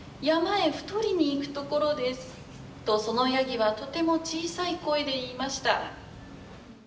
山に太りに行くところですと、そのやぎはとても小さい声で言いました。